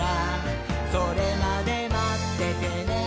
「それまでまっててねー！」